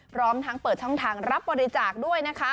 พร้อมทั้งเปิดช่องทางรับบริจาคด้วยนะคะ